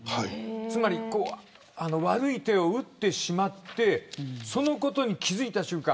つまり悪い手を打ってしまってそのことに気付いた瞬間